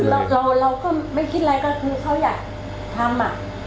เราก็ไม่คิดอะไรก็คือเขาอยากทำอ่ะ